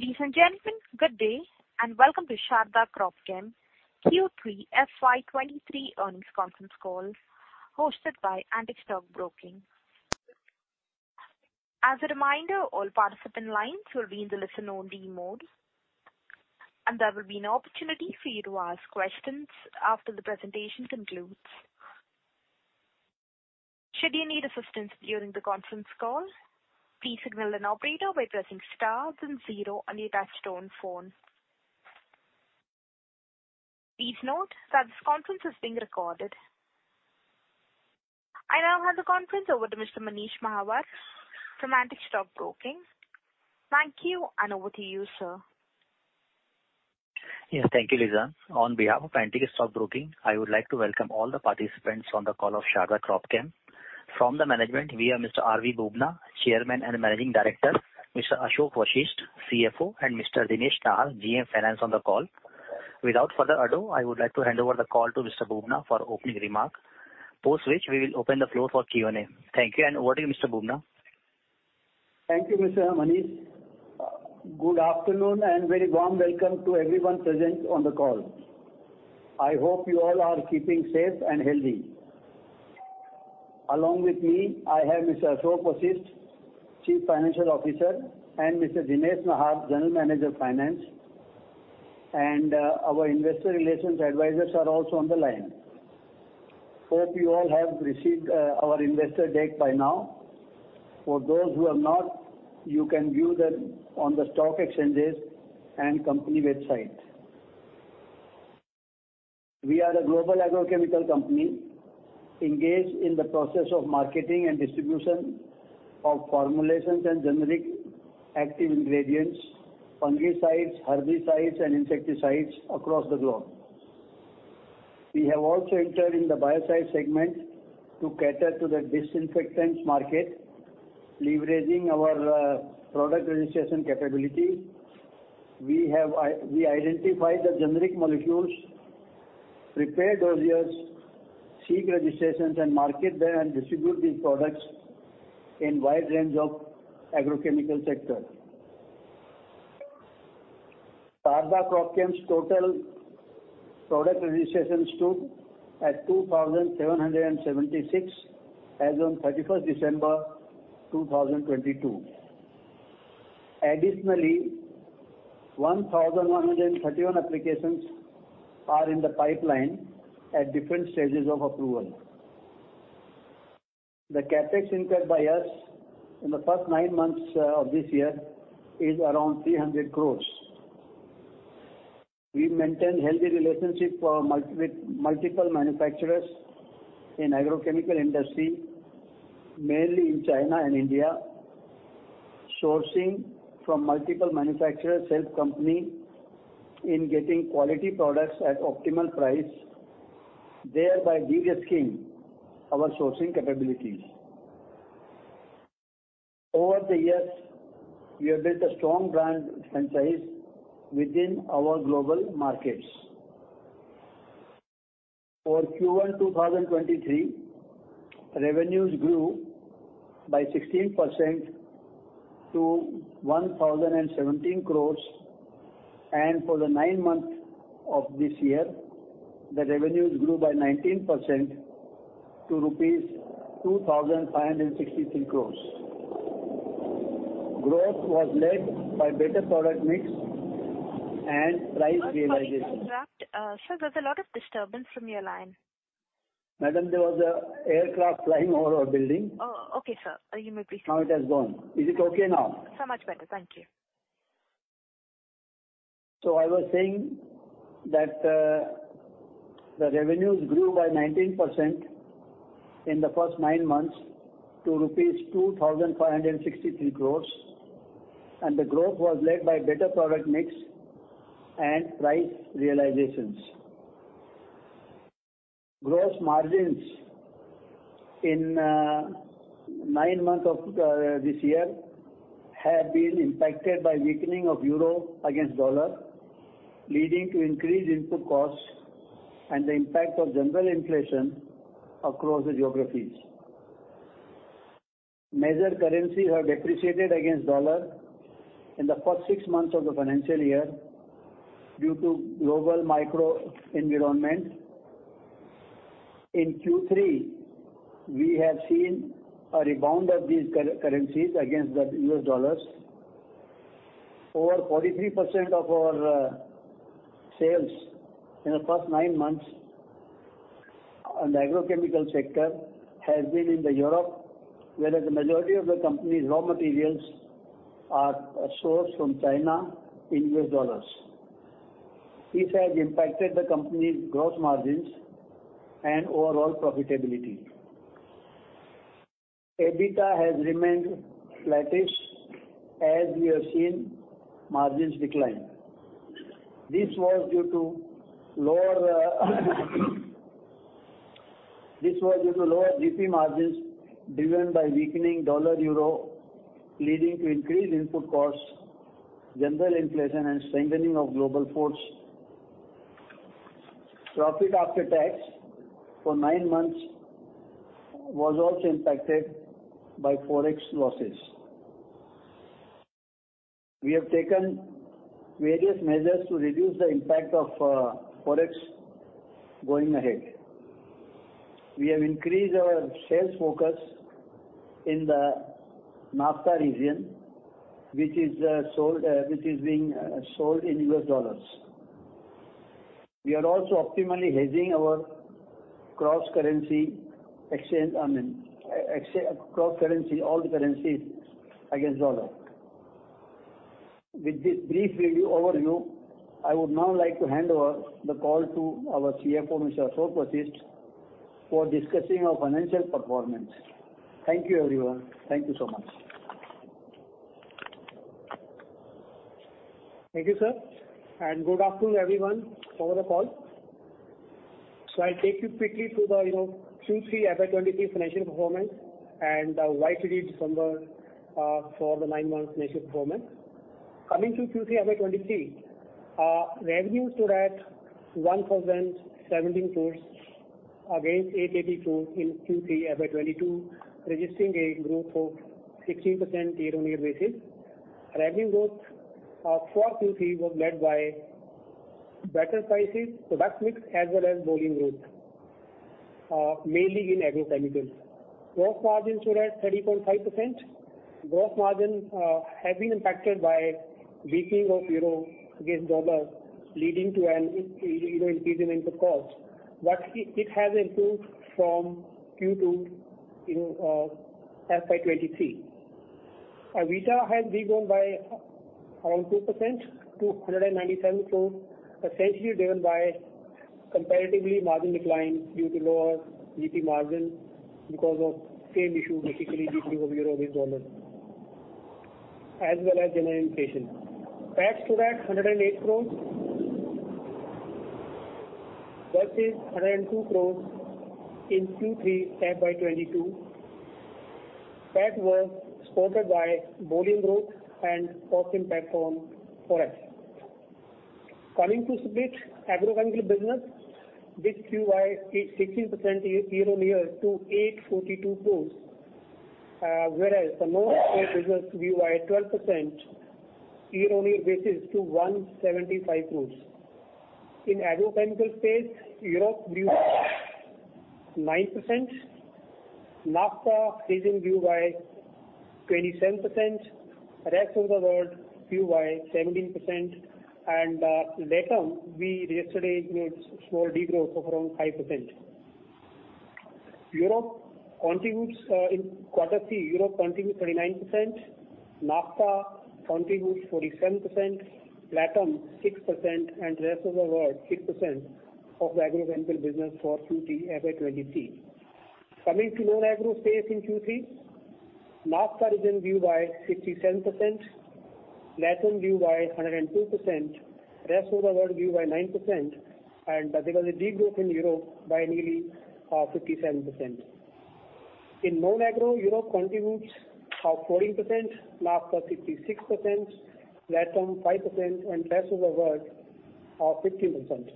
Ladies and gentlemen, good day, welcome to Sharda Cropchem Q3 FY 23 earnings conference call hosted by Antique Stock Broking. As a reminder, all participant lines will be in the listen only mode, and there will be an opportunity for you to ask questions after the presentation concludes. Should you need assistance during the conference call, please signal an operator by pressing star then zero on your touch-tone phone. Please note that this conference is being recorded. I now hand the conference over to Mr. Manish Mahawar from Antique Stock Broking. Thank you, over to you, sir. Yes, thank you, Leezan. On behalf of Antique Stock Broking, I would like to welcome all the participants on the call of Sharda Cropchem. From the management, we have Mr. R.V. Bubna, Chairman and Managing Director, Mr. Ashok Vashisht, CFO, and Mr. Dinesh Nahar, GM Finance, on the call. Without further ado, I would like to hand over the call to Mr. Bubna for opening remark, post which we will open the floor for Q&A. Thank you. Over to you, Mr. Bubna. Thank you, Mr. Manish. Good afternoon, and very warm welcome to everyone present on the call. I hope you all are keeping safe and healthy. Along with me, I have Mr. Ashok Vashisht, Chief Financial Officer, and Mr. Dinesh Nahar, General Manager Finance, and our investor relations advisors are also on the line. Hope you all have received our investor deck by now. For those who have not, you can view them on the stock exchanges and company website. We are a global agrochemical company engaged in the process of marketing and distribution of formulations and generic active ingredients, fungicides, herbicides and insecticides across the globe. We have also entered in the biocide segment to cater to the disinfectants market, leveraging our product registration capability. We identify the generic molecules, prepare dosiers, seek registrations, and market them and distribute these products in wide range of agrochemical sector. Sharda Cropchem's total product registrations stood at 2,776 as on December 31, 2022. Additionally, 1,131 applications are in the pipeline at different stages of approval. The CapEx incurred by us in the first nine months of this year is around 300 crores. We maintain healthy relationship with multiple manufacturers in agrochemical industry, mainly in China and India. Sourcing from multiple manufacturers help company in getting quality products at optimal price, thereby de-risking our sourcing capabilities. Over the years, we have built a strong brand franchise within our global markets. For Q1 2023, revenues grew by 16% to 1,017 crores. For the nine month of this year, the revenues grew by 19% to rupees 2,563 crores. Growth was led by better product mix and price realization. Sorry to interrupt. Sir, there's a lot of disturbance from your line. Madam, there was a aircraft flying over our building. Oh, okay, sir. You may proceed. Now it has gone. Is it okay now? much better. Thank you. I was saying that the revenues grew by 19% in the first nine months to rupees 2,563 crores, and the growth was led by better product mix and price realizations. Gross margins in nine months of this year have been impacted by weakening of EUR against the dollar, leading to increased input costs and the impact of general inflation across the geographies. Major currencies have depreciated against the dollar in the first six months of the financial year due to global macro environment. In Q3, we have seen a rebound of these currencies against the U.S. dollar. Over 43% of our sales in the first 9 months on the agrochemical sector has been in Europe, whereas the majority of the company's raw materials are sourced from China in U.S. dollars. This has impacted the company's gross margins and overall profitability. EBITDA has remained flattish as we have seen margins decline. This was due to lower GP margins driven by weakening the US dollar/the euro, leading to increased input costs, general inflation, and strengthening of global ports. Profit after tax for nine months was also impacted by forex losses. We have taken various measures to reduce the impact of forex going ahead. We have increased our sales focus in the NAFTA region, which is sold which is being sold in US dollars. We are also optimally hedging our cross-currency, I mean, cross-currency, all the currencies against the US dollar. With this brief review overview, I would now like to hand over the call to our CFO, Mr. Ashok Vashisht, for discussing our financial performance. Thank you, everyone. Thank you so much. Thank you, sir, and good afternoon, everyone over the call. I'll take you quickly through the, you know, Q3 FY23 financial performance and the YTD December for the nine months financial performance. Coming to Q3 FY23, revenues stood at 1,070 crores against 880 crores in Q3 FY22, registering a growth of 16% year-on-year basis. Revenue growth for Q3 was led by better prices, product mix, as well as volume growth, mainly in agrochemicals. Gross margins stood at 30.5%. Gross margin have been impacted by weakening of euro against dollar leading to an increase in input costs. It has improved from Q2 in FY23. EBITDA has grown by around 2% to 197 crores, essentially driven by comparatively margin decline due to lower GP margin because of same issue, basically weakening of euro against dollar, as well as general inflation. Tax stood at 108 crores versus 102 crores in Q3 FY22. Tax was supported by volume growth and cost impact from forex. Coming to split, agrochemical business grew by a 16% year-on-year to 842 crores, whereas the non-agro business grew by 12% year-on-year basis to 175 crores. In agrochemical space, Europe grew 9%, NAFTA region grew by 27%, rest of the world grew by 17%, and LATAM, we registered a small de-growth of around 5%. Europe contributes in quarter three, Europe contributes 39%, NAFTA contributes 47%, LATAM 6%, and rest of the world 6% of the agrochemical business for Q3 FY23. Coming to non-agro space in Q3, NAFTA region grew by 67%, LATAM grew by 102%, rest of the world grew by 9%, and there was a de-growth in Europe by nearly 57%. In non-agro, Europe contributes 14%, NAFTA 56%, LATAM 5%, and rest of the world 15%.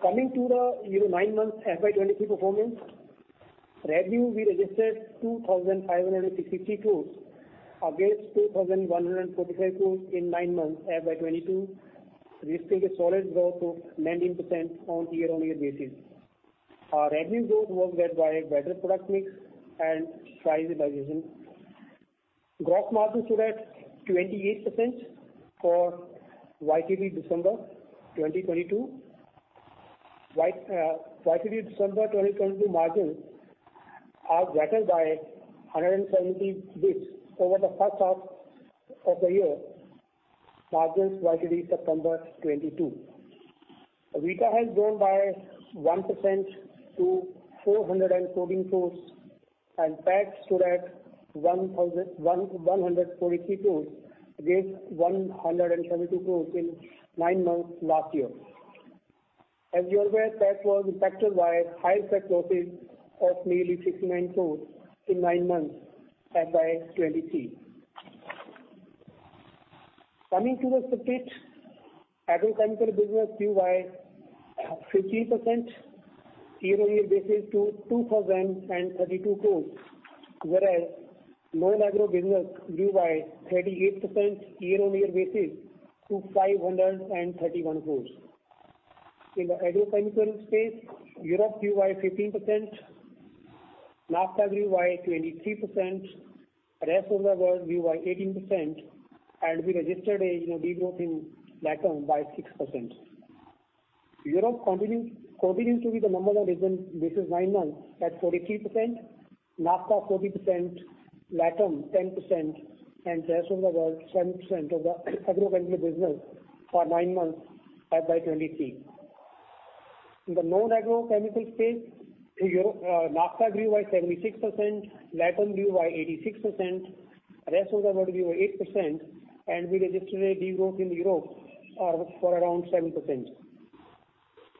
Coming to the, you know, 9 months FY23 performance, revenue, we registered 2,560 crores against 2,145 crores in nine months FY22, registering a solid growth of 19% on year-on-year basis. Our revenue growth was led by better product mix and price revision. Gross margin stood at 28% for YTD December 2022. YTD December 2022 margin are better by 170 basis over the first half of the year margins YTD September 2022. EBITDA has grown by 1% to 414 crores. Tax stood at 143 crores against 172 crores in nine months last year. As you're aware, tax was impacted by higher tax losses of nearly 69 crores in nine months FY 2023. Coming to the split, agrochemical business grew by 15% year-on-year basis to INR 2,032 crores, whereas non-agro business grew by 38% year-on-year basis to 531 crores. In the agrochemical space, Europe grew by 15%, NAFTA grew by 23%, rest of the world grew by 18%, and we registered a, you know, de-growth in LATAM by 6%. Europe continues to be the number one region this is 9 months at 43%, NAFTA 40%, LATAM 10%, and rest of the world 7% of the agrochemical business for 9 months FY 2023. In the non-agrochemical space, NAFTA grew by 76%, LATAM grew by 86%, rest of the world grew 8%, and we registered a de-growth in Europe for around 7%.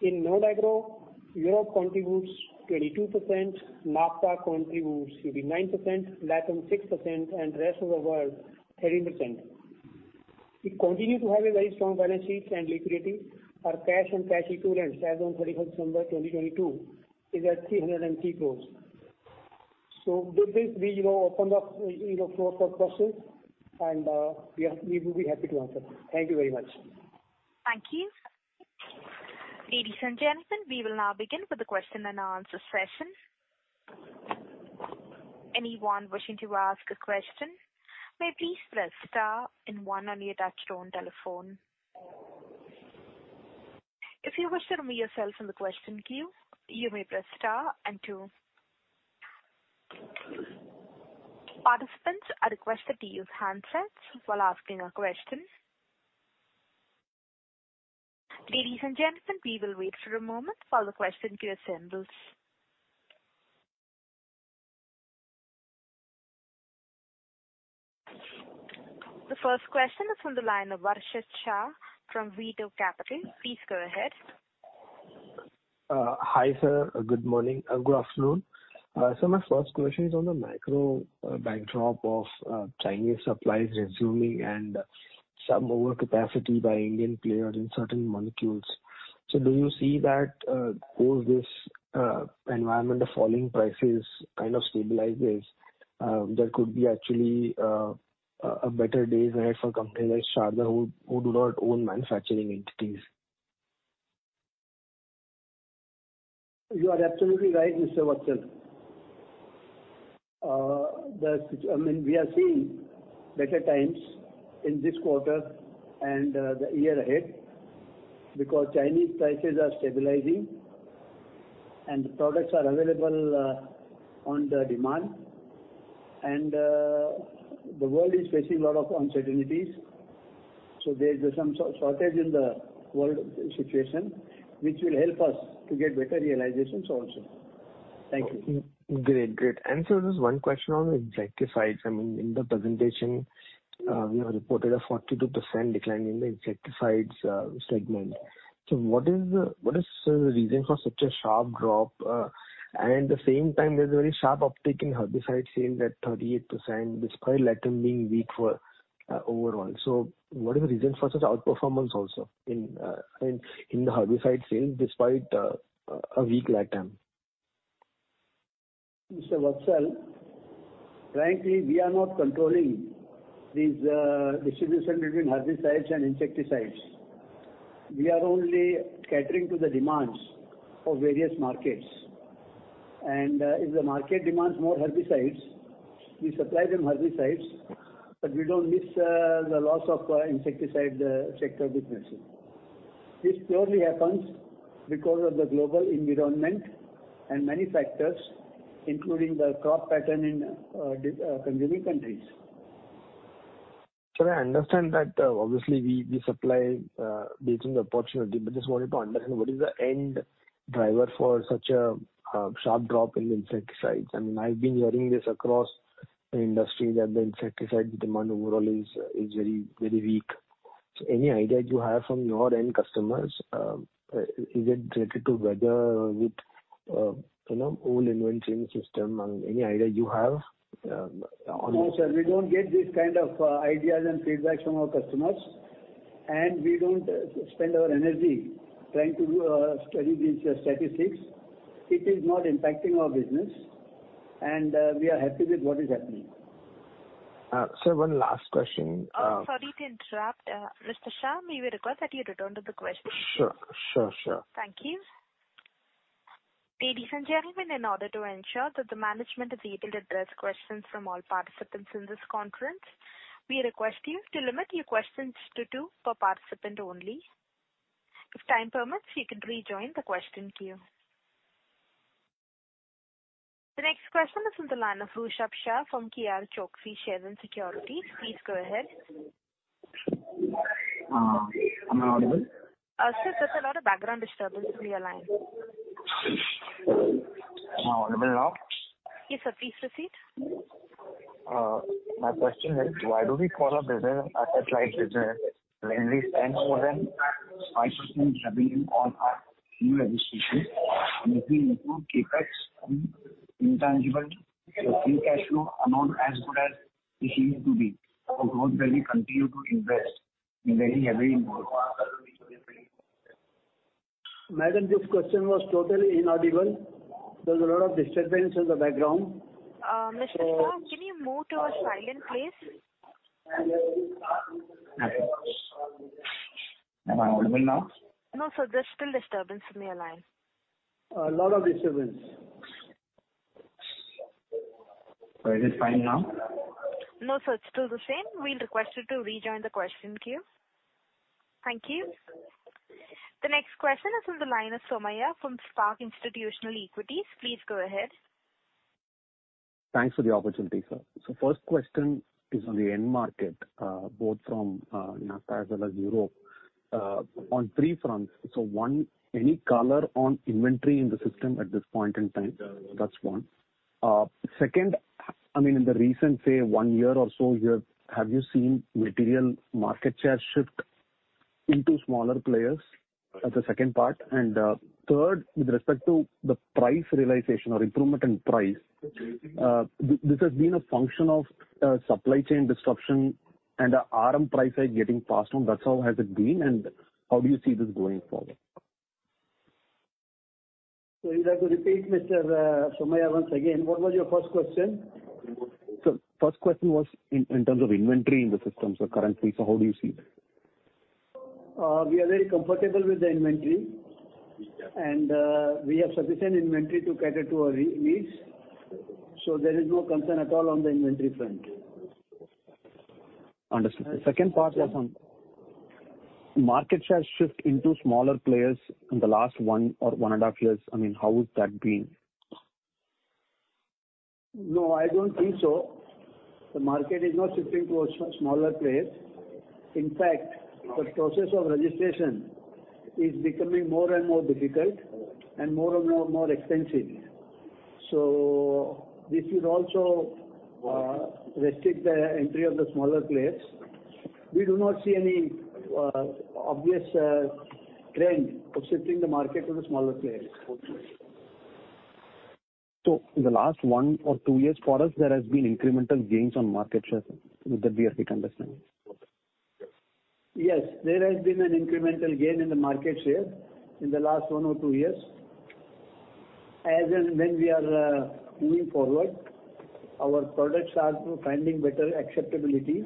In non-agro, Europe contributes 22%, NAFTA contributes 39%, LATAM 6%, and rest of the world 13%. We continue to have a very strong balance sheet and liquidity. Our cash and cash equivalents as on 31st December 2022 is at 303 crores. With this we, you know, open the, you know, floor for questions and we will be happy to answer. Thank you very much. Thank you. Ladies and gentlemen, we will now begin with the question and answer session. Anyone wishing to ask a question may please press star and one on your touchtone telephone. If you wish to remove yourself from the question queue, you may press star and two. Participants are requested to use handsets while asking a question. Ladies and gentlemen, we will wait for a moment while the question queue assembles. The first question is on the line of Varshit Shah from Veto Capital. Please go ahead. Hi, sir. Good morning. Good afternoon. My first question is on the macro backdrop of Chinese supplies resuming and some overcapacity by Indian players in certain molecules. Do you see that whole, this, environment of falling prices kind of stabilizes? There could be actually a better days ahead for a company like Sharda who do not own manufacturing entities. You are absolutely right, Mr. Varshit Shah. I mean, we are seeing better times in this quarter and the year ahead because Chinese prices are stabilizing and the products are available on the demand. The world is facing a lot of uncertainties, there is some shortage in the world situation which will help us to get better realizations also. Thank you. Great. Great. Sir, there's one question on insecticides. I mean, in the presentation, you have reported a 42% decline in the insecticides segment. What is, sir, the reason for such a sharp drop? At the same time there's a very sharp uptick in herbicide sales at 38% despite Latam being weak for overall. What is the reason for such outperformance also in the herbicide sales despite a weak Latam? Mr. Varshit, frankly we are not controlling these, distribution between herbicides and insecticides. We are only catering to the demands of various markets. If the market demands more herbicides, we supply them herbicides, but we don't miss, the loss of, insecticide, sector business. This purely happens because of the global environment and many factors, including the crop pattern in, consuming countries. Sir, I understand that, obviously we supply, based on the opportunity. Just wanted to understand what is the end driver for such a sharp drop in the insecticides? I mean, I've been hearing this across the industry that the insecticide demand overall is very, very weak. Any idea you have from your end customers, is it related to weather with, you know, old inventory in system and any idea you have? No, sir. We don't get this kind of ideas and feedback from our customers. We don't spend our energy trying to study these statistics. It is not impacting our business. We are happy with what is happening. Sir, one last question. Sorry to interrupt. Mr. Shah, may we request that you return to the question queue? Sure. Sure, sure. Thank you. Ladies and gentlemen, in order to ensure that the management is able to address questions from all participants in this conference, we request you to limit your questions to two per participant only. If time permits, you can rejoin the question queue. The next question is on the line of Rishabh Shah from K R Choksey Shares and Securities. Please go ahead. Am I audible? Sir, there's a lot of background disturbance in your line. Am I audible now? Yes, sir. Please proceed. My question is, why do we call a business asset-light business when we spend more than 5% revenue on our new registrations? If we include CapEx in intangible, the free cash flow are not as good as they seem to be. How come we continue to invest in very heavy? Madam, this question was totally inaudible. There's a lot of disturbance in the background. Mr. Shah, can you move to a silent place? Am I audible now? No, sir. There's still disturbance in your line. A lot of disturbance. It is fine now? No, sir. It's still the same. We request you to rejoin the question queue. Thank you. The next question is on the line of Somani from Spark Institutional Equities. Please go ahead. Thanks for the opportunity, sir. First question is on the end market, both from NAFTA as well as Europe, on three fronts. One, any color on inventory in the system at this point in time? That's one. Second, I mean, in the recent, say, one year or so, Have you seen material market share shift into smaller players. That's the second part. Third, with respect to the price realization or improvement in price, this has been a function of supply chain disruption and RM price hike getting passed on. That's how has it been and how do you see this going forward? You'll have to repeat, Mr. Somani, once again. What was your first question? Sir, first question was in terms of inventory in the systems or currently. How do you see that? We are very comfortable with the inventory. We have sufficient inventory to cater to our re-needs. There is no concern at all on the inventory front. Understood. The second part was on market share shift into smaller players in the last one or one and half years. I mean, how is that been? No, I don't think so. The market is not shifting to a smaller players. In fact, the process of registration is becoming more and more difficult and more and more expensive. This will also restrict the entry of the smaller players. We do not see any obvious trend of shifting the market to the smaller players. In the last one or two years, for us, there has been incremental gains on market share, sir, with the BFC understanding. Yes. There has been an incremental gain in the market share in the last 1 or 2 years. As and when we are moving forward, our products are finding better acceptability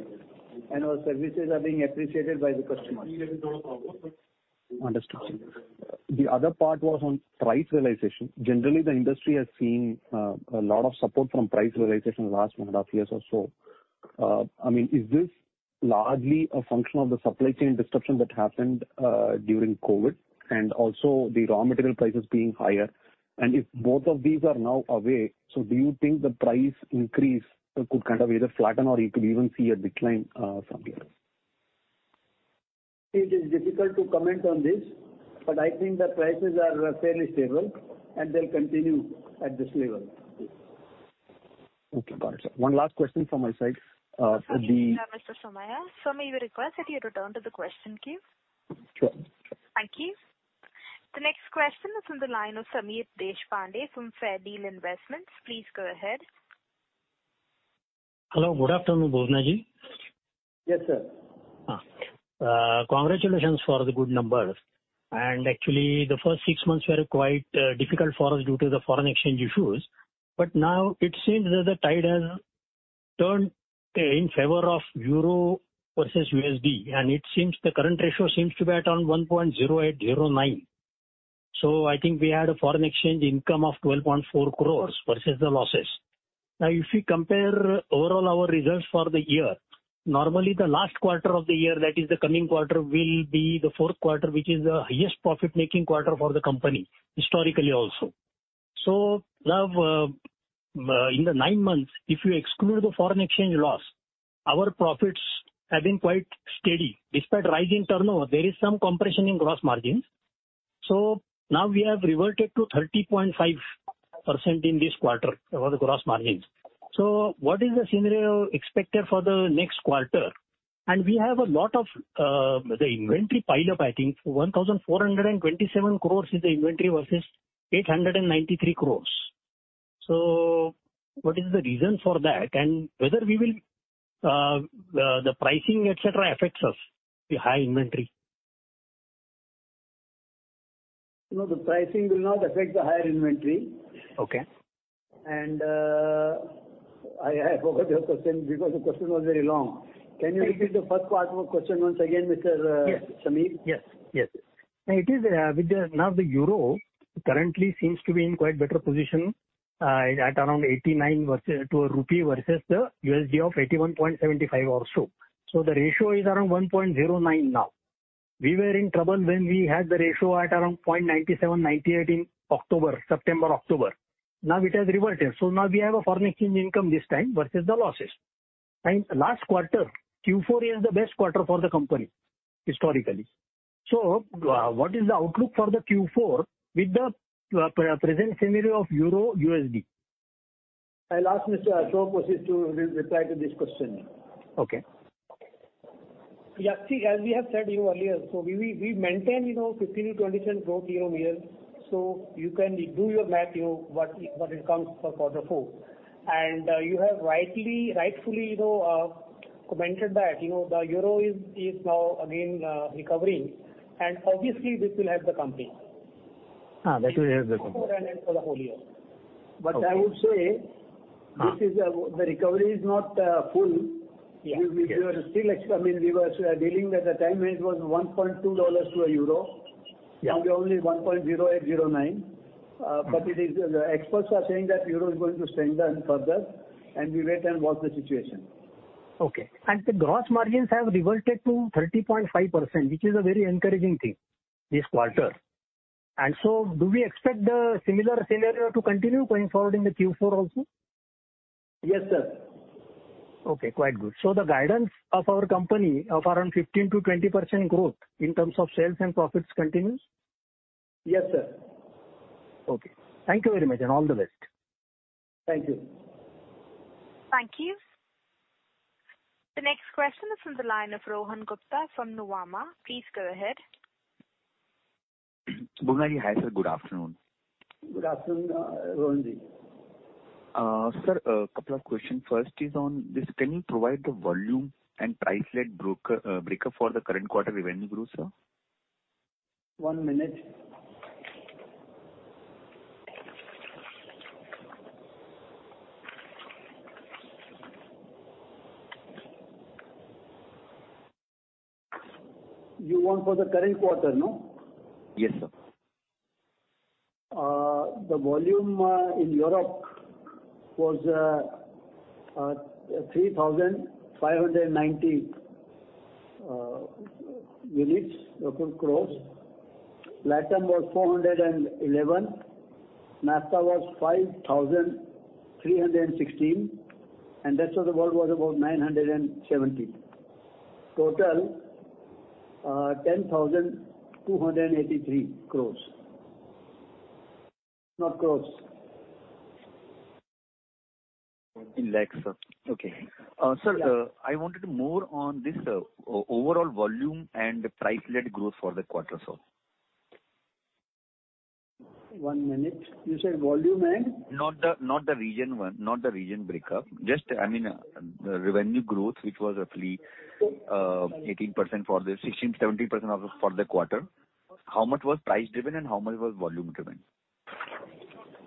and our services are being appreciated by the customers. Understood. The other part was on price realization. Generally, the industry has seen a lot of support from price realization last one and a half years or so. I mean, is this largely a function of the supply chain disruption that happened during COVID and also the raw material prices being higher? If both of these are now away, do you think the price increase could kind of either flatten or you could even see a decline from here? It is difficult to comment on this, but I think the prices are fairly stable, and they'll continue at this level. Okay. Got it, sir. One last question from my side. Mr. Somani. Sir, may we request that you return to the question queue? Sure. Thank you. The next question is on the line of Sameer Deshpande from Fairdeal Investments. Please go ahead. Hello. Good afternoon, Bubna. Yes, sir. Congratulations for the good numbers. Actually, the first six months were quite difficult for us due to the foreign exchange issues. Now it seems that the tide has turned in favor of EUR versus USD, and it seems the current ratio seems to be at around 1.0809. I think we had a foreign exchange income of 12.4 crores versus the losses. Now, if we compare overall our results for the year, normally the last quarter of the year, that is the coming quarter, will be the fourth quarter, which is the highest profit-making quarter for the company, historically also. Now, in the nine months, if you exclude the foreign exchange loss, our profits have been quite steady. Despite rise in turnover, there is some compression in gross margins. Now we have reverted to 30.5% in this quarter over the gross margins. What is the scenario expected for the next quarter? We have a lot of the inventory pile up, I think. 1,427 crores is the inventory versus 893 crores. What is the reason for that? Whether we will the pricing, et cetera, affects us, the high inventory. No, the pricing will not affect the higher inventory. Okay. I forgot your question because the question was very long. Can you repeat the first part of the question once again, Mr. Sameer? Yes. Yes. Yes. It is with the. Now the EUR currently seems to be in quite better position, at around 89 versus the USD of INR 81.75 or so. The ratio is around 1.09 now. We were in trouble when we had the ratio at around 0.97, 0.98 in October, September, October. Now it has reverted. Now we have a foreign exchange income this time versus the losses. Last quarter, Q4 is the best quarter for the company historically. What is the outlook for the Q4 with the pre-present scenario of EUR/USD? I'll ask Mr. Ashok to re-reply to this question. Okay. Yeah. See, as we have said to you earlier, we maintain, you know, 15%-20% growth year-over-year. You can do your math, you know, what it comes for quarter four. You have rightfully, you know, commented that, you know, the euro is now again recovering. Obviously, this will help the company. That will help the company. For now and for the whole year. I would. Uh. This is the recovery is not, full. Yeah. We are still I mean, we were dealing at the time it was $1.2 to EUR 1. Yeah. Now we are only $1.0809. The experts are saying that Euro is going to strengthen further, and we wait and watch the situation. Okay. The gross margins have reverted to 30.5%, which is a very encouraging thing this quarter. Do we expect the similar scenario to continue going forward in the Q4 also? Yes, sir. Okay, quite good. The guidance of our company of around 15% to 20% growth in terms of sales and profits continues? Yes, sir. Okay. Thank you very much, and all the best. Thank you. Thank you. The next question is from the line of Rohan Gupta from Nuvama. Please go ahead. R.V. Bubna, hi, sir. Good afternoon. Good afternoon, Rohan. sir, a couple of questions. First is on this, can you provide the volume and price led broker breakup for the current quarter revenue growth, sir? One minute. You want for the current quarter, no? Yes, sir. The volume in Europe was 3,590 units, roughly crores. LATAM was 411. NAFTA was 5,316. Rest of the world was about 970. Total 10,283 crores. Not crores. In lakhs, sir. Okay. Yeah. Sir, I wanted more on this, overall volume and price led growth for the quarter, sir. One minute. You said volume and? Not the, not the region one. Not the region breakup. Just, I mean, the revenue growth which was roughly 16%, 17% of, for the quarter. How much was price-driven and how much was volume-driven?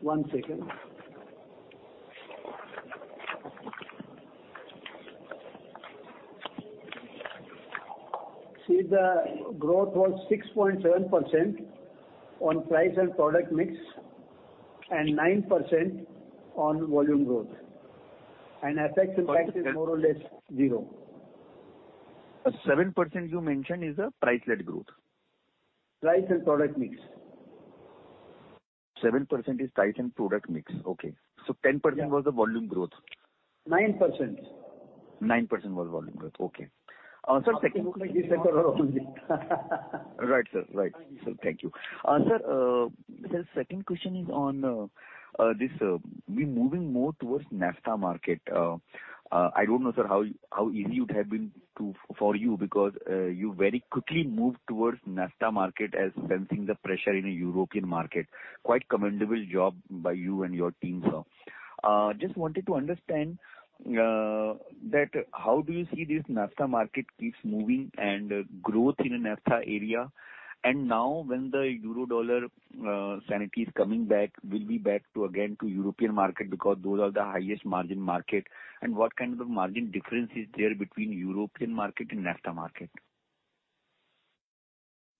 One second. See, the growth was 6.7% on price and product mix, and 9% on volume growth. FX impact is more or less 0. 7% you mentioned is a price-led growth? Price and product mix. 7% is price and product mix. Okay. Yeah. 10% was the volume growth. 9%. 9% was volume growth. Okay. Right, sir. Right. Thank you. Sir, the second question is on this, we moving more towards NAFTA market. I don't know, sir, how easy it had been to, for you because you very quickly moved towards NAFTA market as sensing the pressure in the European market. Quite commendable job by you and your team, sir. Just wanted to understand that how do you see this NAFTA market keeps moving and growth in the NAFTA area? Now when the euro dollar sanity is coming back, we'll be back to again to European market because those are the highest margin market, and what kind of a margin difference is there between European market and NAFTA market?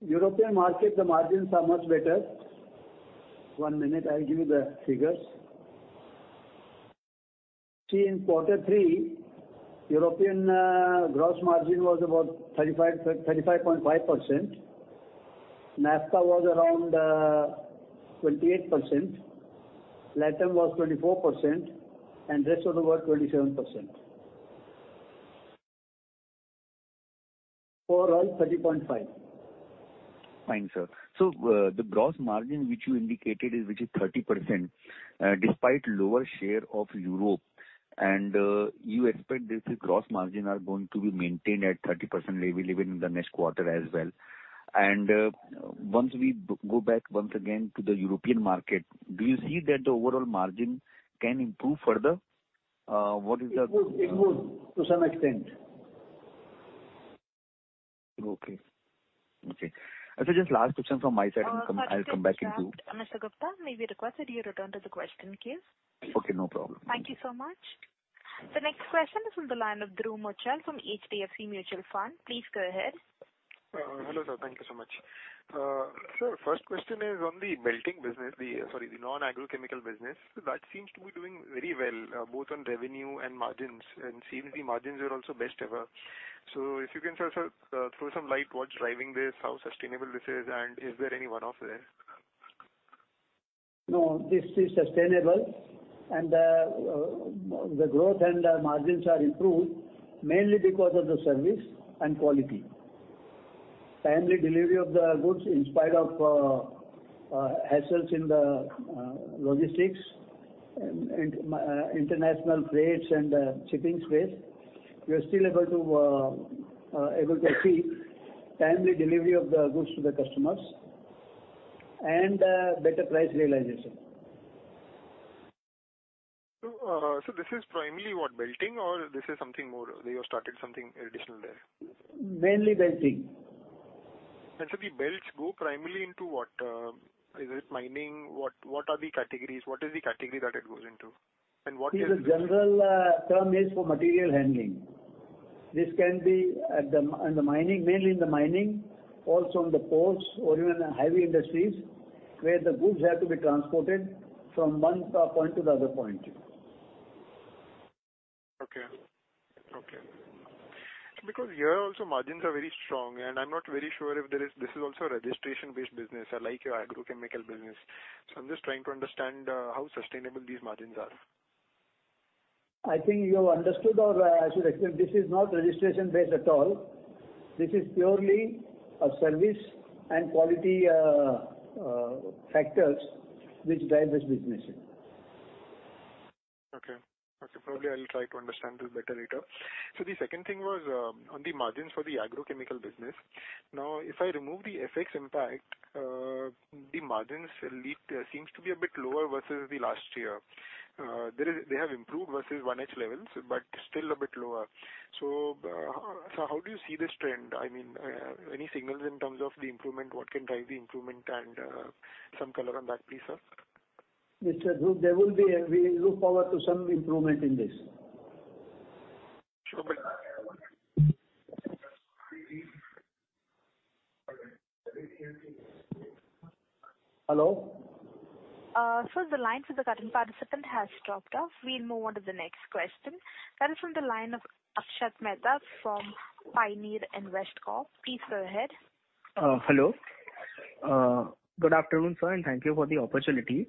European market, the margins are much better. 1 minute, I'll give you the figures. See, in quarter 3, European gross margin was about 35.5%. NAFTA was around 28%. LATAM was 24%. Rest of the world, 27%. For all, 30.5%. Fine, sir. The gross margin which you indicated is, which is 30%, despite lower share of Europe and you expect this gross margin are going to be maintained at 30% level even in the next quarter as well. Once we go back once again to the European market, do you see that the overall margin can improve further? What is the. It would to some extent. Okay. Okay. Just last question from my side and I'll come back if you- Mr. Gupta, may we request that you return to the question queue. Okay, no problem. Thank you so much. The next question is from the line of Dhruv Muchhal from HDFC Mutual Fund. Please go ahead. Hello, sir. Thank you so much. Sir, first question is on the belting business, the, sorry, the non-agrochemical business. That seems to be doing very well, both on revenue and margins. Seems the margins are also best ever. If you can, sir, throw some light what's driving this, how sustainable this is, and is there any one-off there? No, this is sustainable. The growth and the margins are improved mainly because of the service and quality. Timely delivery of the goods in spite of hassles in the logistics and international crates and shipping crates. We are still able to achieve timely delivery of the goods to the customers and better price realization. This is primarily what, belting or this is something more that you have started something additional there? Mainly belting. The belts go primarily into what, is it mining? What, what are the categories? What is the category that it goes into? And what is- See the general term is for material handling. This can be in the mining, mainly in the mining, also in the ports or even heavy industries, where the goods have to be transported from one point to the other point. Okay. Okay. Here also margins are very strong, and I'm not very sure if there is, this is also a registration-based business, like your agrochemical business. I'm just trying to understand how sustainable these margins are. I think you have understood or I should explain, this is not registration based at all. This is purely a service and quality, factors which drive this business. Okay. Okay. Probably I will try to understand this better later. The second thing was on the margins for the agrochemical business. If I remove the FX impact, the margins lead seems to be a bit lower versus the last year. They have improved versus 1H levels, but still a bit lower. How do you see this trend? I mean, any signals in terms of the improvement, what can drive the improvement and some color on that, please, sir. Mr. Dhruv, there will be, and we look forward to some improvement in this. Sure. Hello. Sir, the line for the current participant has dropped off. We'll move on to the next question. That is from the line of Akshat Mehta from Pioneer Investcorp. Please go ahead. Hello. Good afternoon, sir, and thank you for the opportunity.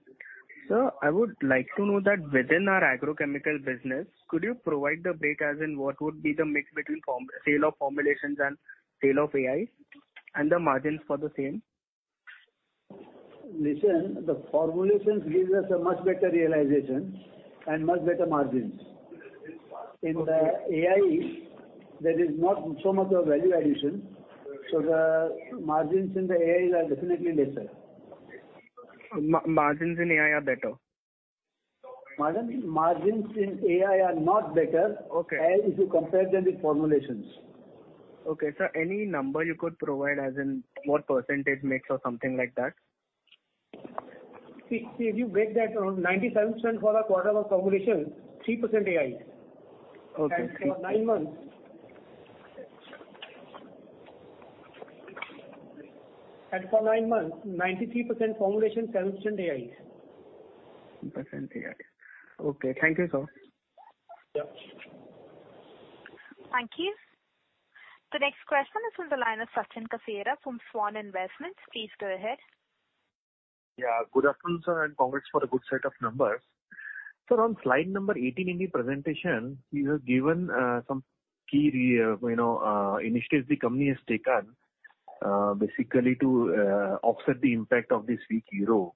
Sir, I would like to know that within our agrochemical business, could you provide the break, as in what would be the mix between sale of formulations and sale of AIs, and the margins for the same? Listen, the formulations gives us a much better realization and much better margins. In the AIs, there is not so much of value addition, so the margins in the AIs are definitely lesser. Margins in AI are better? Margins in AI are not better. Okay. as you compare them with formulations. Okay. Sir, any number you could provide, as in what % mix or something like that? See, if you break that around 97% for the quarter was formulations, 3% AIs. Okay. For 9 months, 93% formulations, 7% AIs. 7% AIs. Okay. Thank you, sir. Yeah. Thank you. The next question is from the line of Sachin Kasera from Svan Investment. Please go ahead. Good afternoon, sir, and congrats for a good set of numbers. Sir, on slide number 18 in the presentation, you have given some key you know, initiatives the company has taken basically to offset the impact of this weak euro.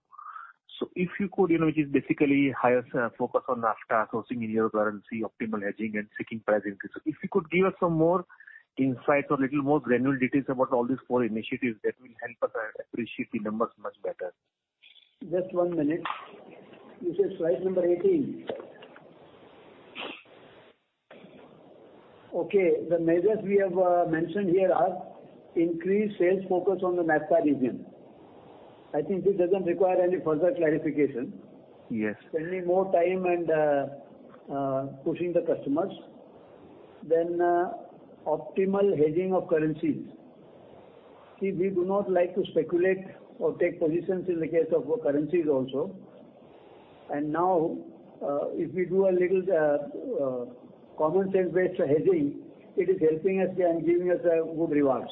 If you could, you know, which is basically higher focus on NAFTA, sourcing in euro currency, optimal hedging and seeking price increase. If you could give us some more insight or little more granular details about all these four initiatives that will help us appreciate the numbers much better. Just one minute. You said slide number 18. Okay. The measures we have mentioned here are increased sales focus on the NAFTA region. I think this doesn't require any further clarification. Yes. Spending more time, and pushing the customers. Optimal hedging of currencies. See, we do not like to speculate or take positions in the case of currencies also. Now, if we do a little common sense based hedging, it is helping us and giving us good rewards.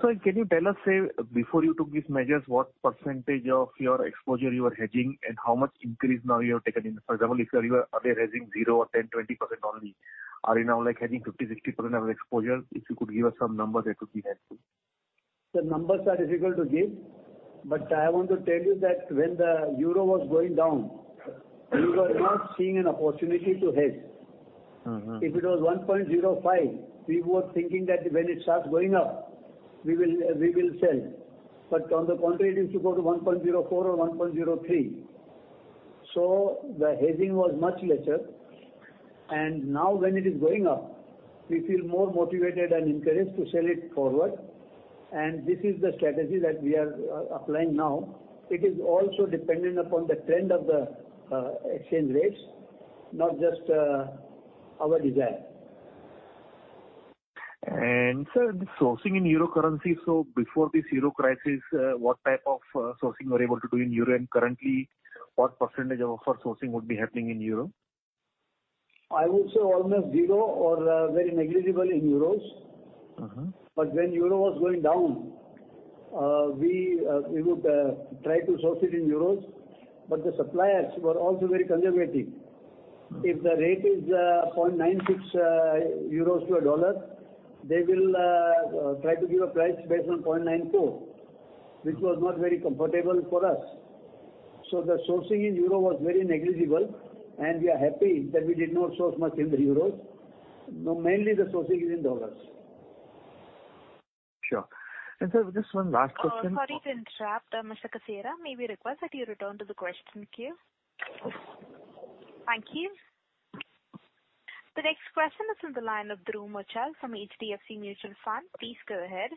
Sir, can you tell us, say, before you took these measures, what percentage of your exposure you were hedging and how much increase now you have taken in? For example, if you were earlier hedging 0 or 10%, 20% only, are you now like hedging 50%, 60% of exposure? If you could give us some numbers, that would be helpful. The numbers are difficult to give, but I want to tell you that when the euro was going down, we were not seeing an opportunity to hedge. Mm-hmm. If it was 1.05, we were thinking that when it starts going up, we will sell. On the contrary, it used to go to 1.04 or 1.03. The hedging was much lesser. Now when it is going up, we feel more motivated, and encouraged to sell it forward. This is the strategy that we are applying now. It is also dependent upon the trend of the exchange rates, not just our desire. Sir, the sourcing in Euro currency. Before this Euro crisis, what type of sourcing you were able to do in Euro? Currently, what % of our sourcing would be happening in Euro? I would say almost zero or very negligible in euros. Mm-hmm. When euro was going down, we would try to source it in euros, but the suppliers were also very conservative. If the rate is 0.96 euros to a dollar, they will try to give a price based on 0.94, which was not very comfortable for us. The sourcing in euro was very negligible, and we are happy that we did not source much in the euros. No, mainly the sourcing is in dollars. Sure. Sir, just one last question. Sorry to interrupt, Mr. Kasera. May we request that you return to the question queue? Thank you. The next question is on the line of Dhruv Muchhal from HDFC Mutual Fund. Please go ahead.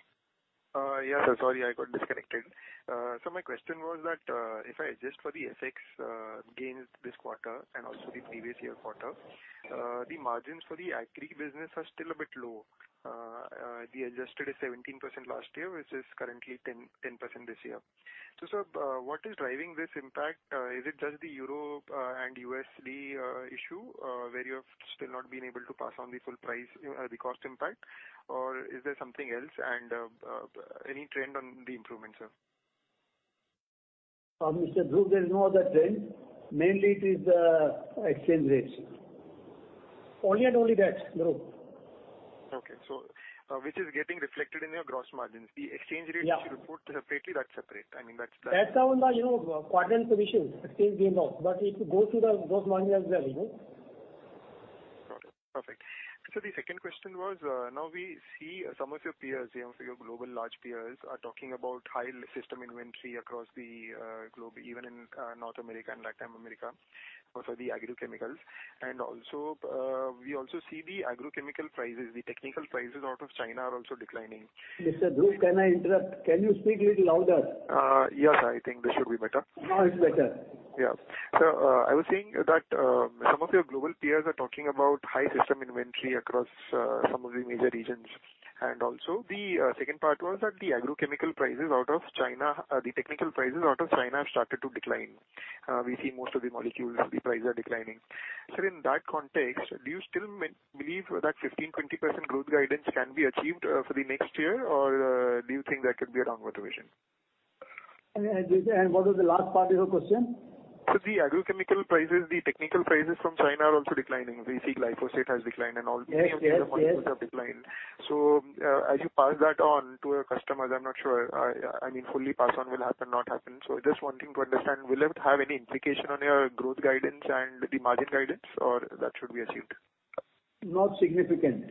Yeah. Sorry, I got disconnected. My question was that, if I adjust for the FX gains this quarter and also the previous year quarter, the margins for the agri business are still a bit low. The adjusted is 17% last year, which is currently 10% this year. Sir, what is driving this impact? Is it just the EUR and USD issue where you have still not been able to pass on the full price, the cost impact? Or is there something else? Any trend on the improvement, sir? Mr. Dhruv, there is no other trend. Mainly it is the exchange rates. Only and only that, Dhruv. Okay. Which is getting reflected in your gross margins. Yeah. The exchange rate which you put separately, that's separate. I mean, that's. That's on the, you know, quadrant commission exchange gain loss. If you go through the gross margin as well, you know. Got it. Perfect. The second question was, now we see some of your peers, you know, some of your global large peers are talking about high system inventory across the globe, even in North America and Latin America for the agrochemicals. We also see the agrochemical prices, the technical prices out of China are also declining. Mr. Dhruv, can I interrupt? Can you speak little louder? Yes. I think this should be better. Now it's better. Yeah. I was saying that some of your global peers are talking about high system inventory across some of the major regions. Also the second part was that the agrochemical prices out of China, the technical prices out of China have started to decline. We see most of the molecules, the prices are declining. Sir, in that context, do you still believe that 15%-20% growth guidance can be achieved for the next year? Do you think that could be a downward revision? What was the last part of your question? The agrochemical prices, the technical prices from China are also declining. We see glyphosate has declined. Yes, yes. The molecules have declined. As you pass that on to your customers, I'm not sure, I mean, fully pass on will happen, not happen. Just wanting to understand, will it have any implication on your growth guidance and the margin guidance, or that should be assumed? Not significant.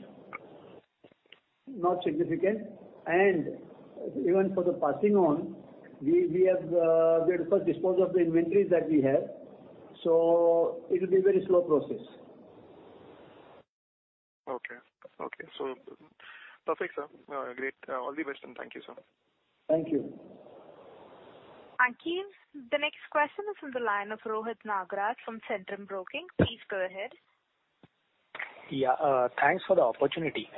Not significant. Even for the passing on, we have, we have to first dispose of the inventories that we have. It will be very slow process. Okay. Okay. Perfect, sir. Great. All the best and thank you, sir. Thank you. Thank you. The next question is on the line of Rohit Nagraj from Centrum Broking. Please go ahead. Yeah. Thanks for the opportunity.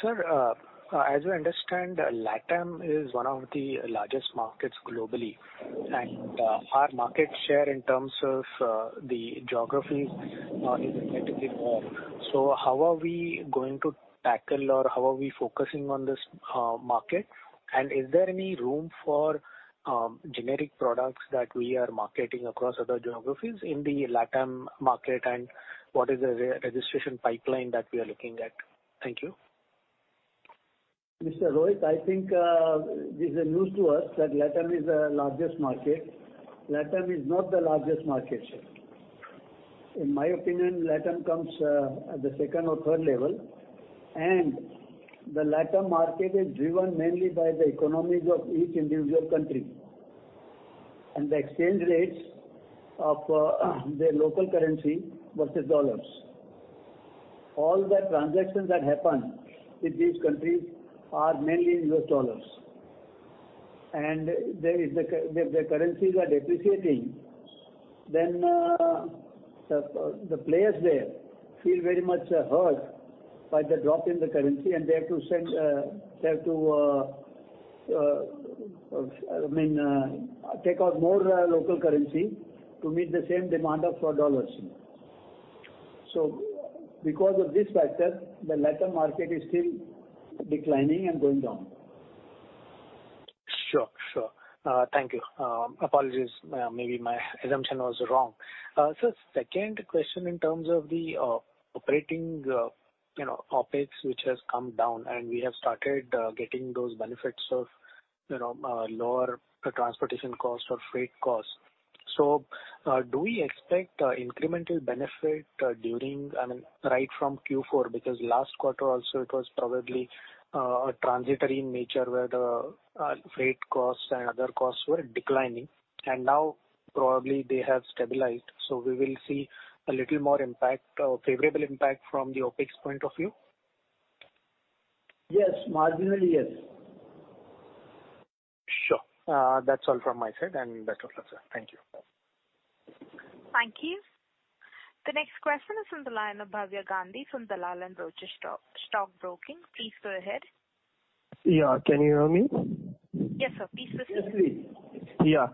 Sir, as you understand, Latam is one of the largest markets globally, and our market share in terms of the geography, is relatively more. How are we going to tackle or how are we focusing on this market? Is there any room for generic products that we are marketing across other geographies in the Latam market and what is the re-registration pipeline that we are looking at? Thank you. Mr. Rohit, I think this is news to us that Latam is the largest market. Latam is not the largest market share. In my opinion, Latam comes at the second or third level, and the Latam market is driven mainly by the economies of each individual country and the exchange rates of their local currency versus dollars. All the transactions that happen with these countries are mainly US dollars. If their currencies are depreciating, then the players there feel very much hurt by the drop in the currency and they have to send, they have to, I mean, take out more local currency to meet the same demand of for dollars. Because of this factor, the Latam market is still declining and going down. Sure, sure. Thank you. Apologies, maybe my assumption was wrong. Second question in terms of the operating, you know, OpEx which has come down and we have started getting those benefits of, you know, lower transportation cost or freight cost. Do we expect incremental benefit during, I mean, right from Q4? Because last quarter also it was probably transitory in nature where the freight costs and other costs were declining and now probably they have stabilized. We will see a little more impact or favorable impact from the OpEx point of view. Yes. Marginally, yes. Sure. That's all from my side and back to you, sir. Thank you. Thank you. The next question is on the line of Bhavya Gandhi from Dalal & Broacha Stock Broking. Please go ahead. Yeah. Can you hear me? Yes, sir. Please proceed. Yes. Yeah.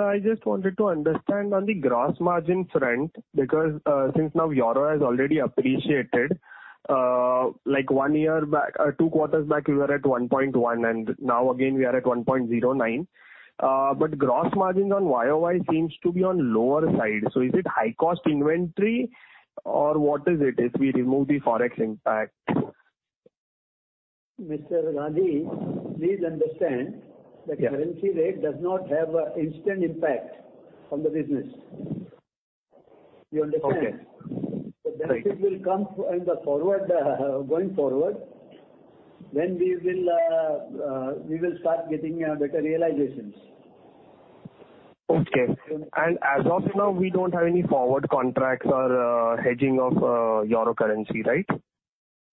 I just wanted to understand on the gross margin front, because since now Euro has already appreciated, like one year back, two quarters back you were at 1.1 and now again we are at 1.09. Gross margin on YOY seems to be on lower side. Is it high cost inventory or what is it if we remove the Forex impact? Mr. Gandhi, please understand that currency rate does not have a instant impact on the business. You understand? Okay. Right. The benefit will come in the forward, going forward, when we will start getting better realizations. Okay. As of now, we don't have any forward contracts or hedging of euro currency, right?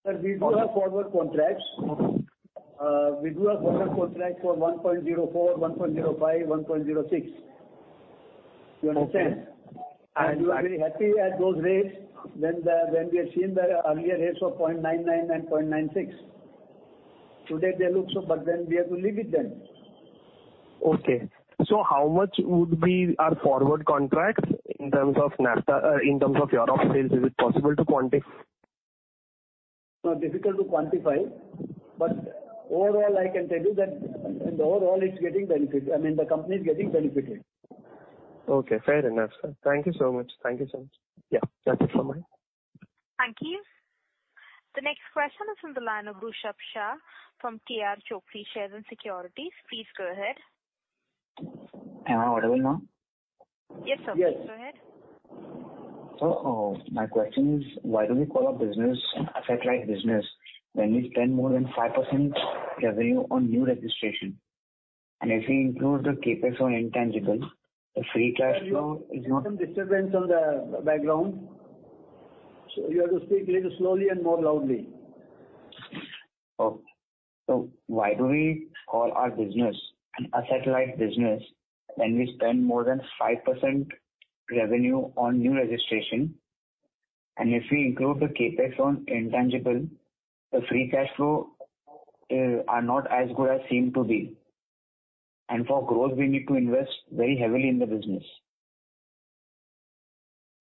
Sir, we do have forward contracts. We do have forward contracts for 1.04, 1.05, 1.06. You understand? Okay. We were very happy at those rates when we had seen the earlier rates of 0.99 and 0.96. Today they look so, but then we have to live with them. Okay. How much would be our forward contracts in terms of NAFTA, in terms of euro sales? Is it possible to quantify? No difficult to quantify. Overall I can tell you that in the overall it's getting benefit, I mean, the company is getting benefited. Okay, fair enough, sir. Thank you so much. Thank you so much. Yeah. That's it from my end. Thank you. The next question is from the line of Rushabh Shah from KRChoksey Shares and Securities. Please go ahead. Am I audible, ma'am? Yes, sir. Yes. Go ahead. My question is, why do we call our business an asset-light business when we spend more than 5% revenue on new registration? If we include the CapEx on intangible, the free cash flow is not- There is some disturbance on the background. You have to speak little slowly and more loudly. Why do we call our business an asset-light business when we spend more than 5% revenue on new registration? If we include the CapEx on intangible, the free cash flow are not as good as seem to be. For growth, we need to invest very heavily in the business.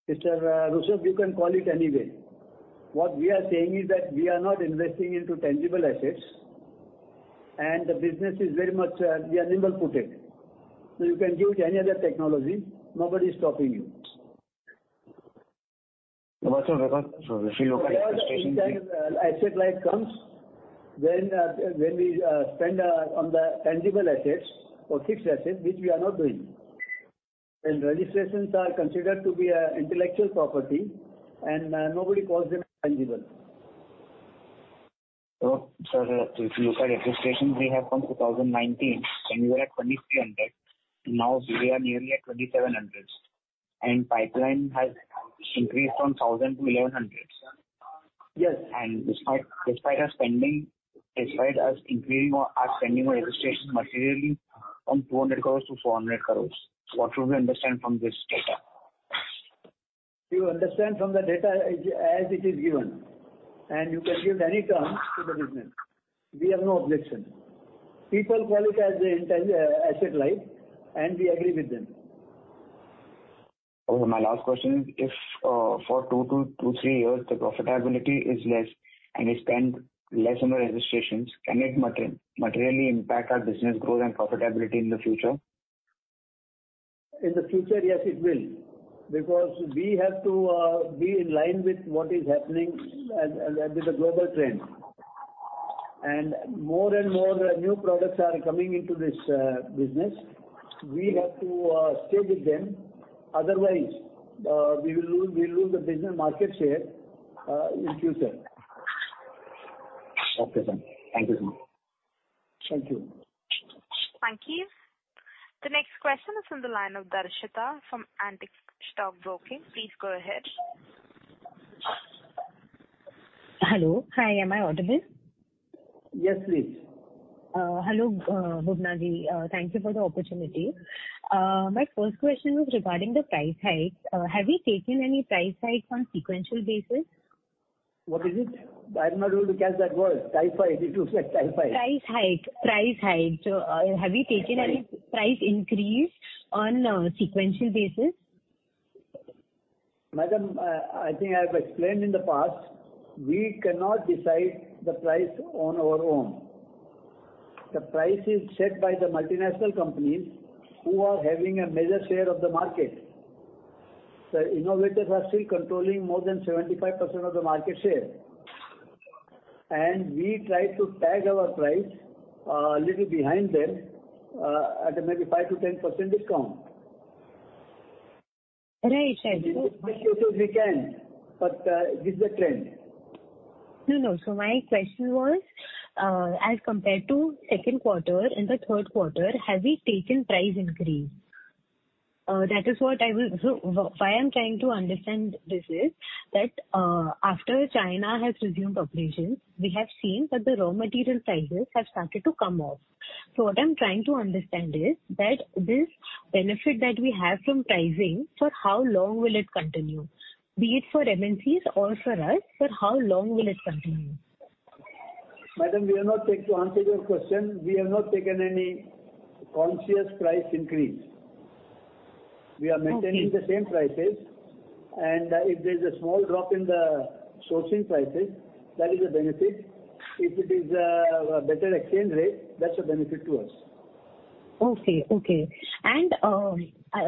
Mr. Rishabh, you can call it any way. What we are saying is that we are not investing into tangible assets and the business is very much, we are nimble-footed. You can use any other technology. Nobody is stopping you. Sir, because if you look at registration. Asset light comes when we spend on the tangible assets or fixed assets, which we are not doing. Registrations are considered to be intellectual property, and nobody calls them tangible. Sir, if you look at registrations, we have from 2019 when we were at 2,300. Now we are nearly at 2,700. Pipeline has increased from 1,000 to 1,100. Yes. Despite us spending, despite us increasing our spending on registration materially from 200 crores to 400 crores, what should we understand from this data? You understand from the data as it is given. You can give any term to the business. We have no objection. People call it as a asset light, and we agree with them. Okay. My last question, if, for two to three years the profitability is less and we spend less on the registrations, can it materially impact our business growth and profitability in the future? In the future, yes, it will. We have to be in line with what is happening at with the global trend. More and more new products are coming into this business. We have to stay with them. Otherwise, we'll lose the business market share in future. Okay, sir. Thank you, sir. Thank you. Thank you. The next question is from the line of Darshita from Antique Stock Broking. Please go ahead. Hello. Hi. Am I audible? Yes, please. Hello, Bubna Ji. Thank you for the opportunity. My first question was regarding the price hikes. Have you taken any price hikes on sequential basis? What is it? I'm not able to catch that word. Type height. It looks like type height. Price hike. Have you taken any price increase on sequential basis? Madam, I think I have explained in the past, we cannot decide the price on our own. The price is set by the multinational companies who are having a major share of the market. The innovators are still controlling more than 75% of the market share. We try to tag our price, little behind them, at a maybe 5%-10% discount. Right. We can, but, this is the trend. No, no. My question was, as compared to second quarter, in the third quarter, have we taken price increase? Why I'm trying to understand this is that, after China has resumed operations, we have seen that the raw material prices have started to come off. What I'm trying to understand is that this benefit that we have from pricing, for how long will it continue? Be it for MNCs or for us, how long will it continue? Madam, to answer your question, we have not taken any conscious price increase. Okay. We are maintaining the same prices. If there's a small drop in the sourcing prices, that is a benefit. If it is, better exchange rate, that's a benefit to us. Okay. Okay.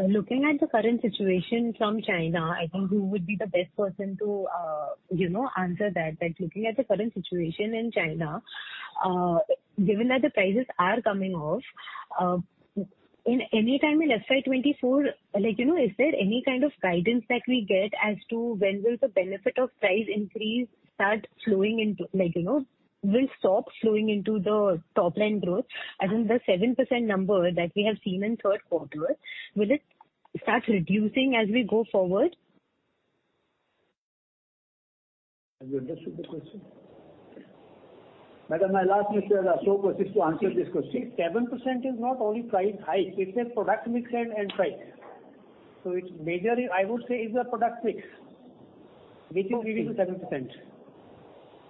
Looking at the current situation from China, I think who would be the best person to, you know, answer that? That looking at the current situation in China, given that the prices are coming off, in any time in FY 2024, like, you know, is there any kind of guidance that we get as to when will the benefit of price increase start flowing into? Like, you know, will stop flowing into the top line growth? I think the 7% number that we have seen in third quarter, will it start reducing as we go forward? Have you understood the question? Madam, I'll ask Mr. Ashok Vashisht to answer this question. 7% is not only price hike, it's a product mix and price. It's major, I would say, is the product mix. Okay. Which is leading to 7%.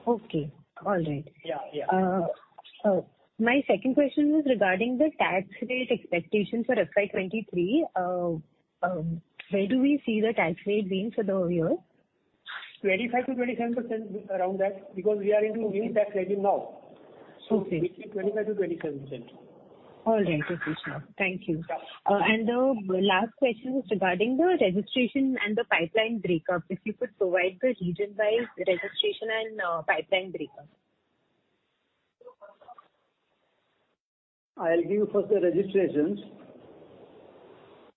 Okay. All right. Yeah, yeah. My second question was regarding the tax rate expectation for FY23. Where do we see the tax rate being for the year? 25%-27%, around that, because we are into new tax regime now. Okay. between 25%-27%. All right. Okay, sure. Thank you. Yeah. The last question was regarding the registration and the pipeline breakup. If you could provide the region-wide registration and pipeline breakup. I'll give first the registrations.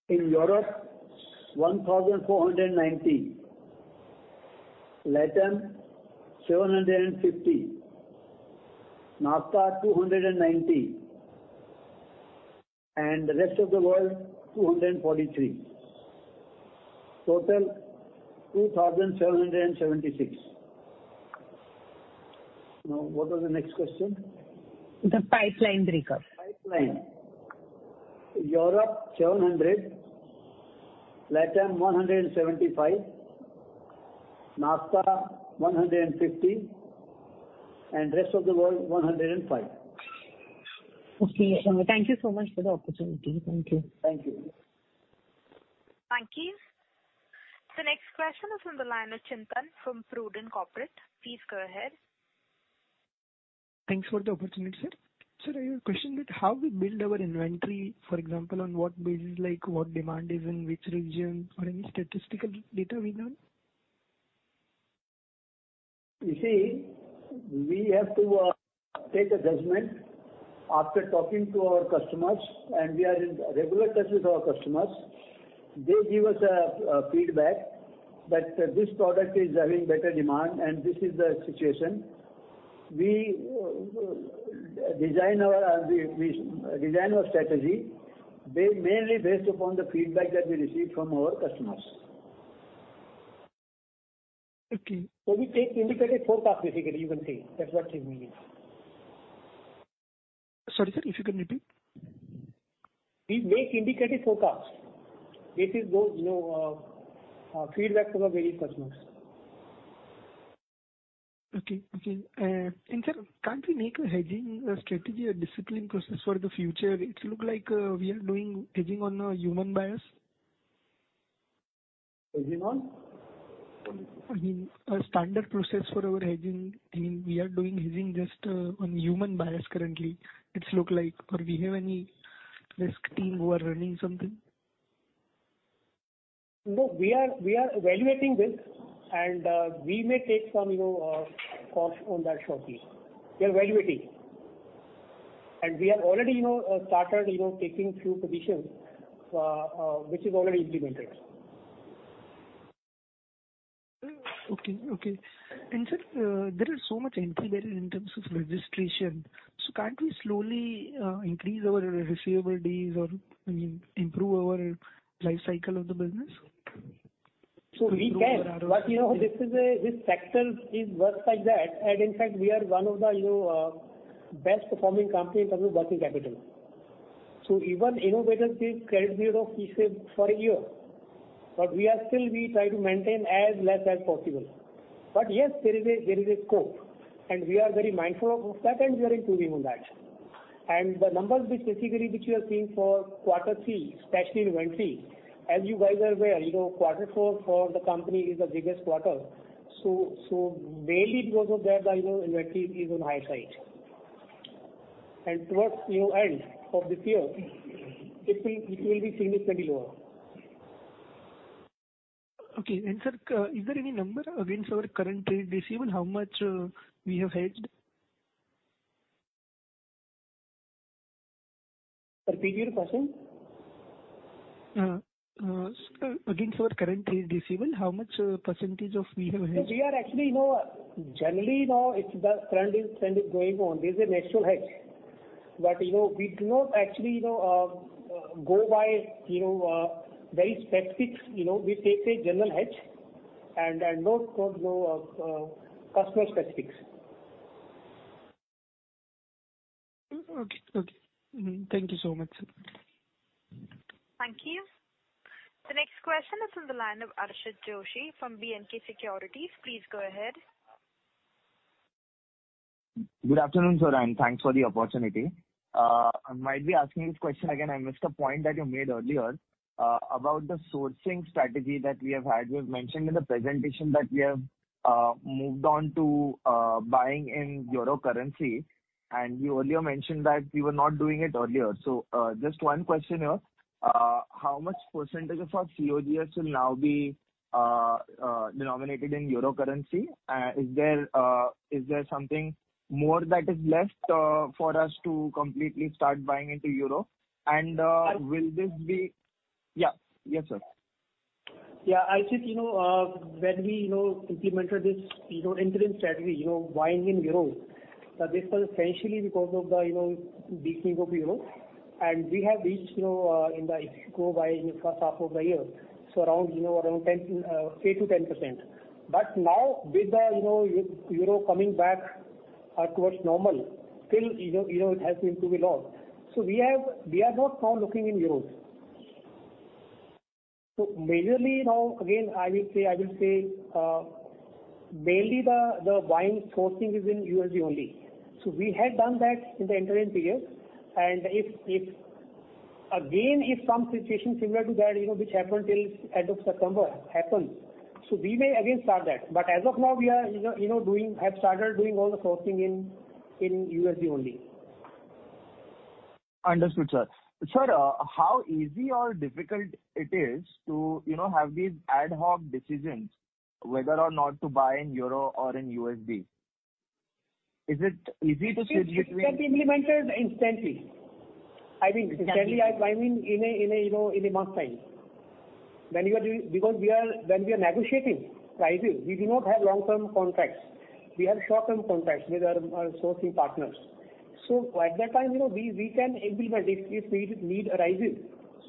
In Europe, 1,490. LATAM, 750. NAFTA, 290. The rest of the world, 243. Total, 2,776. What was the next question? The pipeline breakup. Pipeline. Europe, 700. LATAM, 175. NAFTA, 150. Rest of the world, 105. Okay. Thank you so much for the opportunity. Thank you. Thank you. Thank you. The next question is from the line of Chintan from Prudent Corporate. Please go ahead. Thanks for the opportunity, sir. Sir, I have a question that how we build our inventory, for example, on what basis, like what demand is in which region or any statistical data we know? You see, we have to take a judgment after talking to our customers. We are in regular touch with our customers. They give us feedback that this product is having better demand and this is the situation. We design our strategy mainly based upon the feedback that we receive from our customers. Okay. We take indicative forecast, basically, you can say. That's what it means. Sorry, sir. If you can repeat. We make indicative forecasts based on those, you know, feedback from our various customers. Okay. Okay. sir, can't we make a hedging strategy, a discipline process for the future? It look like, we are doing hedging on a human bias. Hedging on? I mean, a standard process for our hedging. I mean, we are doing hedging just on human bias currently. It's look like. Or we have any risk team who are running something? No, we are evaluating this and we may take some, you know, course on that shortly. We are evaluating. We have already, you know, started, you know, taking few positions, which is already implemented. Okay, okay. Sir, there is so much inventory in terms of registration. Can't we slowly increase our receivables or, I mean, improve our life cycle of the business? We can, but you know, this sector is worse like that. In fact, we are one of the, you know, best performing company in terms of working capital. Even innovators take credit period of, say, for a year. We are still, we try to maintain as less as possible. Yes, there is a, there is a scope, and we are very mindful of that and we are improving on that. The numbers which basically, which you are seeing for quarter three, especially inventory, as you guys are aware, you know, quarter four for the company is the biggest quarter. So mainly because of that, our, you know, inventory is on high side. Towards, you know, end of this year, it will be significantly lower. Okay. Sir, is there any number against our current trade receivable, how much we have hedged? For previous year %? Against our current trade receivable, how much % of we have hedged? We are actually, you know, generally, you know, it's the trend is going on. There's a natural hedge. You know, we do not actually, you know, go by, you know, very specifics. You know, we take a general hedge and no customer specifics. Okay. Okay. Thank you so much, sir. Thank you. The next question is from the line of Archit Joshi from BNK Securities. Please go ahead. Good afternoon, sir, and thanks for the opportunity. I might be asking this question again. I missed a point that you made earlier, about the sourcing strategy that we have had. You've mentioned in the presentation that we have, moved on to, buying in euro currency. You earlier mentioned that we were not doing it earlier. Just one question here. How much % of our COGS will now be, denominated in euro currency? Is there, is there something more that is left, for us to completely start buying into euro? I- Yeah. Yes, sir. Yeah. I think, you know, when we, you know, implemented this, you know, interim strategy, you know, buying in EUR, this was essentially because of the, you know, weakening of EUR. We have reached, you know, in the, if you go by first half of the year, around, you know, around 10, 8%-10%. Now with the, you know, EUR coming back towards normal, still, you know, EUR has been too low. We have, we are not now looking in EUR. Majorly now, again, I will say, mainly the buying sourcing is in USD only. We had done that in the interim period. If, if again, if some situation similar to that, you know, which happened till end of September happens, so we may again start that. as of now we are, you know, have started doing all the sourcing in USD only. Understood, sir. Sir, how easy or difficult it is to, you know, have these ad hoc decisions whether or not to buy in EUR or in USD? Is it easy to switch? It can be implemented instantly. I mean, instantly, I mean, in a, you know, in a month's time. When you are doing... When we are negotiating prices, we do not have long-term contracts. We have short-term contracts with our sourcing partners. At that time, you know, we can implement if need arises.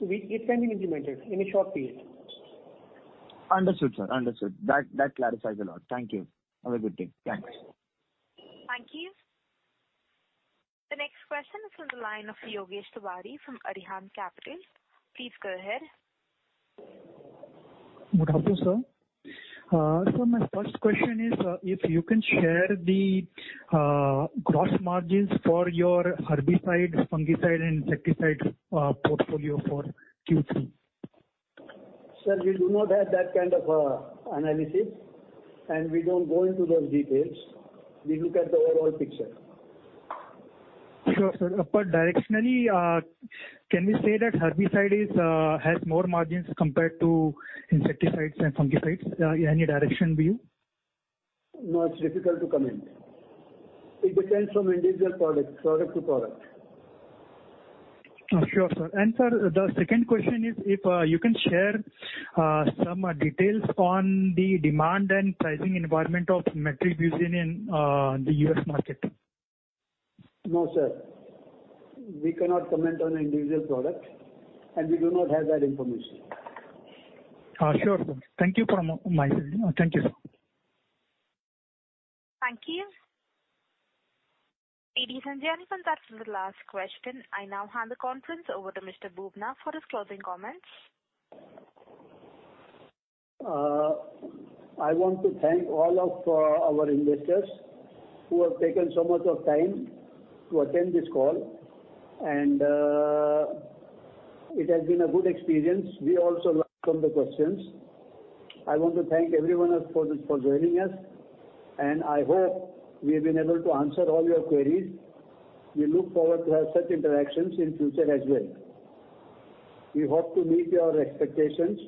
It can be implemented in a short period. Understood, sir. Understood. That clarifies a lot. Thank you. Have a good day. Thanks. Thank you. The next question is from the line of Yogesh Tiwari from Arihant Capital. Please go ahead. Good afternoon, sir. My first question is, if you can share the gross margins for your herbicide, fungicide, and insecticide portfolio for Q3? Sir, we do not have that kind of analysis, and we don't go into those details. We look at the overall picture. Sure, sir. Directionally, can we say that herbicide is has more margins compared to insecticides and fungicides? Any direction view? No, it's difficult to comment. It depends from individual product to product. Oh, sure, sir. Sir, the second question is if you can share some details on the demand and pricing environment of metribuzin in the U.S. market. No, sir. We cannot comment on individual product. We do not have that information. Sure, sir. Thank you, sir. Thank you. Ladies and gentlemen, that's the last question. I now hand the conference over to Mr. Bubna for his closing comments. I want to thank all of our investors who have taken so much of time to attend this call. It has been a good experience. We also learned from the questions. I want to thank everyone else for joining us. I hope we have been able to answer all your queries. We look forward to have such interactions in future as well. We hope to meet your expectations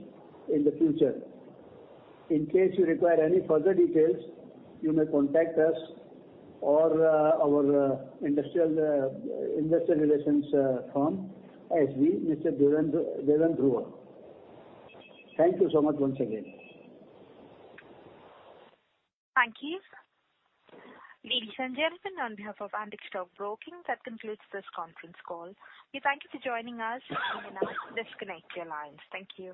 in the future. In case you require any further details, you may contact us or our Investor Relations firm, SV, Mr. Dhruva. Thank you so much once again. Thank you. Ladies and gentlemen, on behalf of Antique Stock Broking, that concludes this conference call. We thank you for joining us. You may now disconnect your lines. Thank you.